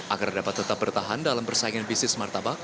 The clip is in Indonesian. agar dapat tetap bertahan dalam persaingan bisnis martabak